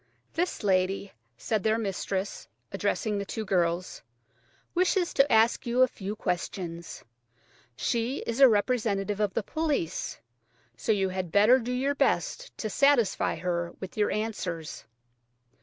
"This lady," said their mistress, addressing the two girls, "wishes to ask you a few questions. She is a representative of the police, so you had better do your best to satisfy her with your answers."